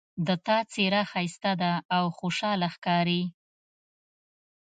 د تا څېره ښایسته ده او خوشحاله ښکاري